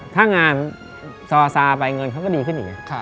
ถ้างานซอซาไปเงินเขาก็ดีขึ้นอีก